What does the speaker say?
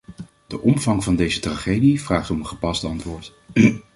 De omvang van deze tragedie vraagt om een gepast antwoord.